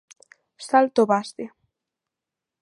Salto base.